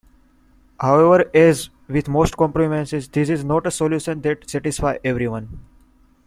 However, as with most compromises, this is not a solution that satisfies everyone.